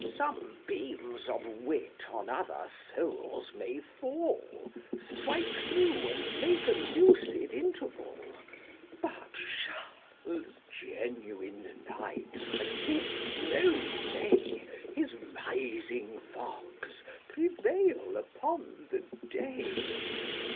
Some beams of wit on other souls may fall, Strike through, and make a lucid interval ; But Shadwell's genuine night admits no raj, His rising fogs prevail upon the day.